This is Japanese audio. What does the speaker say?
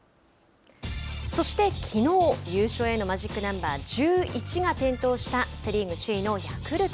そしてきのう優勝へのマジックナンバー１１が点灯したセ・リーグ首位のヤクルト。